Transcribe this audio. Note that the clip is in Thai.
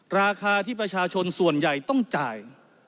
ราคาที่ประชาชนส่วนใหญ่ต้องจ่าย